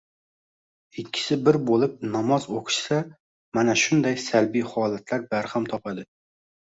Ikkisi bir bo‘lib namoz o‘qishsa, mana shunday salbiy holatlar barham topadi.